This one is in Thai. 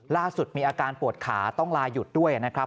ล่าสุดมีอาการปวดขาต้องลาหยุดด้วยนะครับ